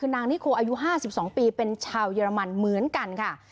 คือนางนิโคอายุ๕๒ปีเป็นชาวเยอรมันเหมือนกันค่ะ